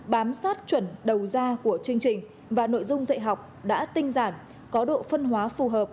bám sát chuẩn đầu ra của chương trình và nội dung dạy học đã tinh giản có độ phân hóa phù hợp